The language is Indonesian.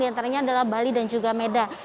diantaranya adalah bali dan juga medan